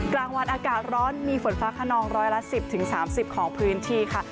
กลางวันอากาศร้อนมีฝนฟ้าขนองร้อยละ๑๐๓๐ของพื้นที่ค่ะ